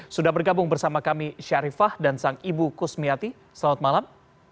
sudah bergabung bersama kami syarifah dan sang ibu kusmiati selamat malam